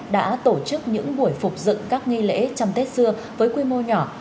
đã tổ chức những buổi phục dựng các nghi lễ trăm tết xưa với quy mô nhỏ